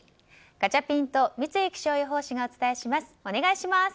ガチャピンと三井気象予報士がお伝えします、お願いします。